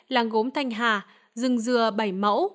làng gốm thanh hà rừng dừa bảy mẫu